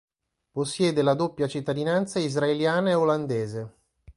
Possiede la doppia cittadinanza israeliana e olandese.